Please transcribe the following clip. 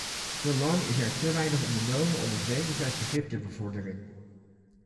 Te lang is er te weinig ondernomen om het wederzijds begrip te bevorderen.